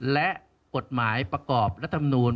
และกฎหมายประกอบรัฐมนูล